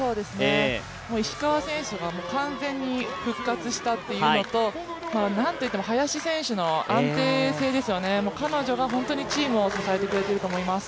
石川選手が完全に復活したっていうのとなんといっても林選手の安定性ですよね、彼女がチームを支えてくれていると思います。